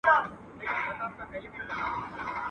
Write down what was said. توري دي لالا کوي، مزې دي عبدالله کوي.